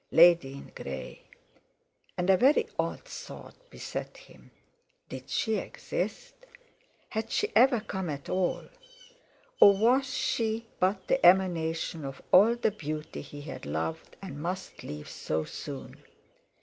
"Lady in grey!" And a very odd thought beset him: Did she exist? Had she ever come at all? Or was she but the emanation of all the beauty he had loved and must leave so soon?